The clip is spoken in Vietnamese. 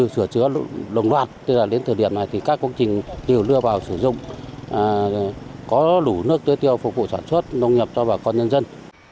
thời điểm này thì các công trình đều đưa vào sử dụng có đủ nước tưới tiêu phục vụ sản xuất nông nghiệp cho bà con nhân dân